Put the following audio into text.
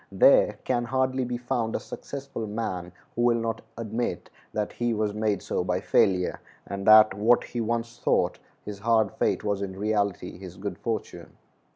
There can hardly be found a successful man who will not admit that he was made so by failure, and that what he once thought his hard fate was in reality his good fortune.